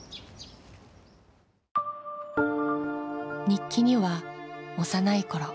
日記には幼いころ